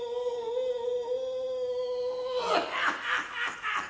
ハハハハハ。